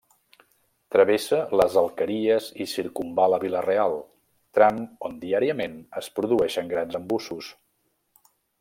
Travessa Les Alqueries i circumval·la Vila-real, tram on diàriament es produeixen grans embussos.